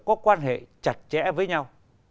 có quan hệ chặt chẽ với nhau